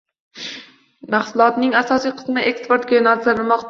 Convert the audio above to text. Mahsulotning asosiy qismi eksportga yo‘naltirilmoqda